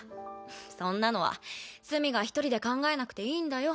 そんなのは須美が一人で考えなくていいんだよ。